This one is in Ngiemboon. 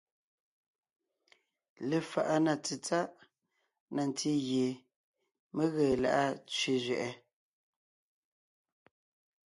Lefaʼa na tsetsáʼ na ntí gie mé ge lá’a tsẅé zẅɛʼɛ: